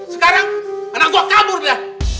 sekarang anak gue kabur dia